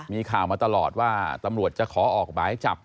มีข่าวมาตลอดว่าตำรวจจะขอออกหมายจับ